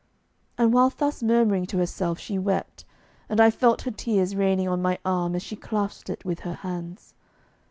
And while thus murmuring to herself she wept, and I felt her tears raining on my arm as she clasped it with her hands.